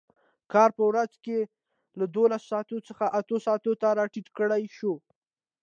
کار په ورځ کې له دولس ساعتو څخه اتو ساعتو ته راټیټ کړای شو.